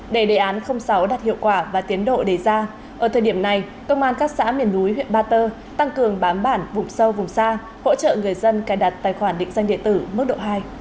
để đề án sáu đặt hiệu quả và tiến độ đề ra ở thời điểm này công an các xã miền núi huyện ba tơ tăng cường bám bản vùng sâu vùng xa hỗ trợ người dân cài đặt tài khoản định danh điện tử mức độ hai